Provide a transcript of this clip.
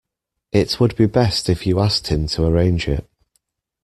It would be best if you asked him to arrange it.